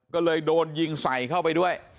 ก็เลยโดนยิงใส่เข้าไปด้วย